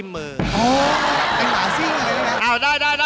มาแล้ว